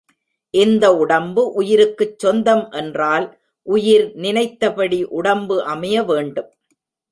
இந்த உடம்பு உயிருக்குச் சொந்தம் என்றால் உயிர் நினைத்தபடி உடம்பு அமைய வேண்டும்.